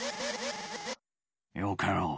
よかろう。